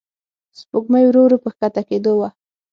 سپوږمۍ ورو ورو په کښته کېدو وه.